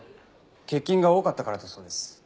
欠勤が多かったからだそうです。